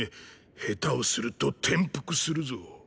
下手をすると転覆するぞ。